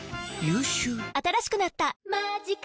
新しくなった「マジカ」